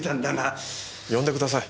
呼んでください。